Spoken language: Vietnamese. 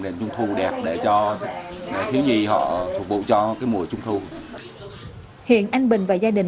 anh nghĩ ngày mai hả